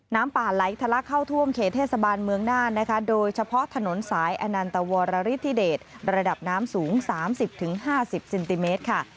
น้ำสูง๓๐๕๐เซนติเมตรค่ะ